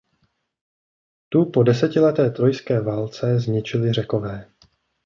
Tu po desetileté trojské válce zničili Řekové.